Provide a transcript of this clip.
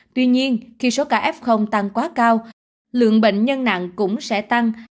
tuy nhiên khi số ca f tăng quá cao lượng bệnh nhân nặng cũng sẽ tăng